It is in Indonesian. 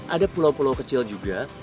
ada pulau pulau kecil juga